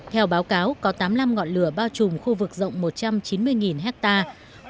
theo báo cáo có tám mươi năm ngọn lửa bao trùm khu vực rộng một trăm chín mươi hectare